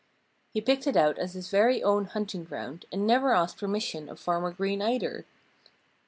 He picked it out as his very own hunting ground and never asked permission of Farmer Green, either.